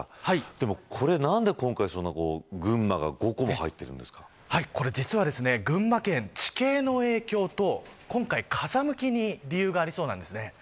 でも、これは、なんで今回群馬が５個も実はこれ群馬県、地形の影響と今回、風向きに理由がありそうなんです。